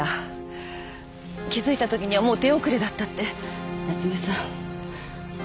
気付いたときにはもう手遅れだったって夏目さん